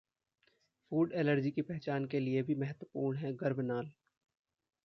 food allergy की पहचान के लिए भी महत्वपूर्ण है गर्भनाल